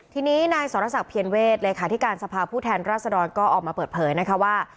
ทีนี้นายสรษักเพียรเวศเลขาธิการสภาพผู้แทนราษฎรก็ออกมาเปิดเผยนะคะว่า